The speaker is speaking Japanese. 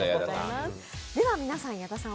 皆さん、矢田さん